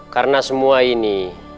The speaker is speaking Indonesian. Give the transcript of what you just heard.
karena semua ini